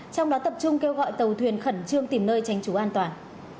trong đó tập trung kêu gọi tàu thuyền khẩn trương tìm nơi tránh trú an toàn